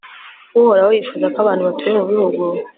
Uhoraho yifuza ko abantu batuye mu bihugu